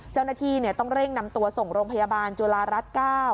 เจ้าหน้าที่ต้องเร่งนำตัวส่งโรงพยาบาลจุฬารัฐ๙